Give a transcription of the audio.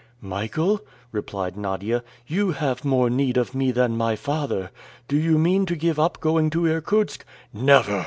"Michael," replied Nadia, "you have more need of me than my father. Do you mean to give up going to Irkutsk?" "Never!"